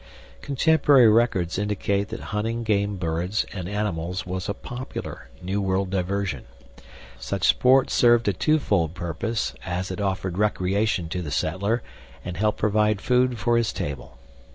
Contemporary records indicate that hunting game birds and animals was a popular New World diversion. Such sport served a twofold purpose, as it offered recreation to the settler and helped provide food for his table.